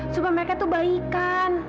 supaya mereka tuh baikan